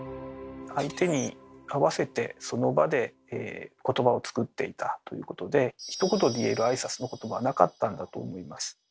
相手に合わせてその場でことばを作っていたということでひと言で言える挨拶のことばはなかったんだと思います。